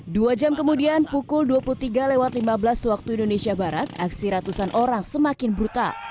dua jam kemudian pukul dua puluh tiga lima belas waktu indonesia barat aksi ratusan orang semakin brutal